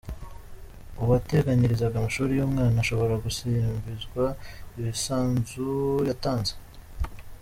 Uwateganyirizaga amashuri y’umwana ashobora gusubizwa imisanzu yatanze.